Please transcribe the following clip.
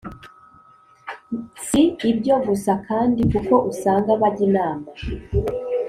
si ibyo gusa kandi kuko usanga bajya inama